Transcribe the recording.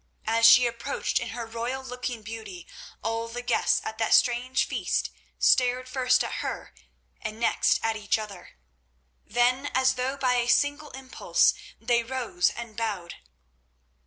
As she approached in her royal looking beauty all the guests at that strange feast stared first at her and next at each other. Then as though by a single impulse they rose and bowed.